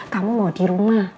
kamu mau di rumah